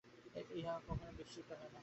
এবং ইহা কখনই এ-কথা বিস্মৃত হয় না।